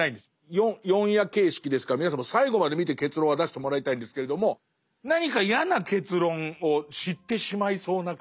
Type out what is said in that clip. ４夜形式ですから皆さんも最後まで見て結論は出してもらいたいんですけれども何か嫌な結論を知ってしまいそうな感じ。